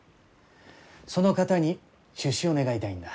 その方に出資を願いたいんだ。